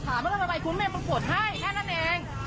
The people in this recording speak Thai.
ถามไม่ได้อะไรคุณแม่มันปวดให้แค่นั้นเอง